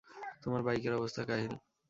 তোমার বাইকের অবস্থা কাহিল।